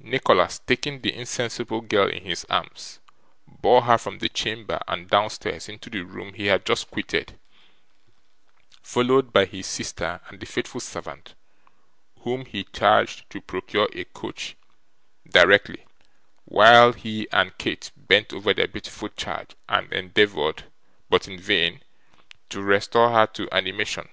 Nicholas, taking the insensible girl in his arms, bore her from the chamber and downstairs into the room he had just quitted, followed by his sister and the faithful servant, whom he charged to procure a coach directly, while he and Kate bent over their beautiful charge and endeavoured, but in vain, to restore her to animation.